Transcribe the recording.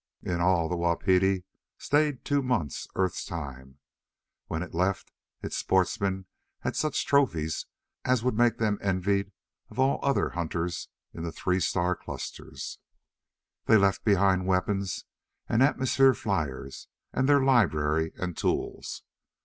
In all, the Wapiti stayed for two months Earth time. When it left, its sportsmen had such trophies as would make them envied of all other hunters in three star clusters. They left behind weapons and atmosphere fliers and their library and tools.